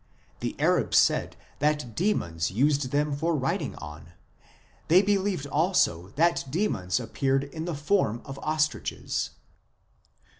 The Arabs said that demons used them for riding on (see above, p. 32) ; they believed also that demons appeared in the form of ostriches.